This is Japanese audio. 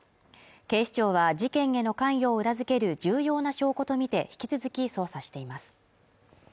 警視庁は事件への関与を裏付ける重要な証拠とみて引き続き捜査しています